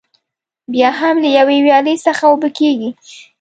بیا هم له یوې ویالې څخه اوبه کېږي.